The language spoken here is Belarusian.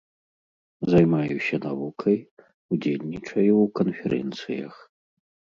Займаюся навукай, удзельнічаю ў канферэнцыях.